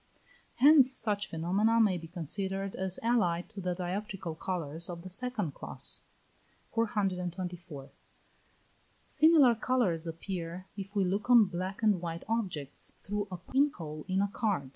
Hence such phenomena may be considered as allied to the dioptrical colours of the second class. 424. Similar colours appear if we look on black and white objects, through a pin hole in a card.